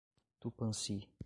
Tupãssi